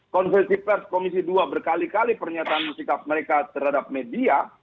konversi pers komisi dua berkali kali pernyataan sikap mereka terhadap media